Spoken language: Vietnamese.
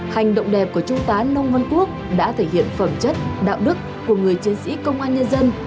hành động đẹp của trung tá nông văn quốc đã thể hiện phẩm chất đạo đức của người chiến sĩ công an nhân dân